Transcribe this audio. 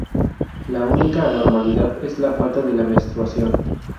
La única anormalidad es la falta de la menstruación.